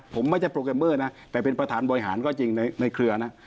ผมไม่ใช่โปรแกรมเมอร์นะแต่เป็นประธานบริหารก็จริงในเครือนะ